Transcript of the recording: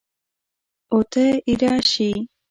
اوته اېره شې!